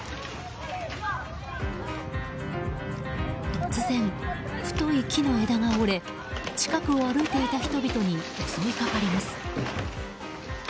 突然、太い木の枝が折れ近くを歩いていた人々に襲いかかります。